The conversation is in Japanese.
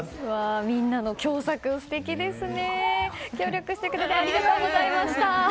みんなの共作、素敵ですね。